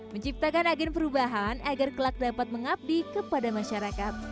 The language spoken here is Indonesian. menciptakan agen perubahan agar kelak dapat mengabdi kepada masyarakat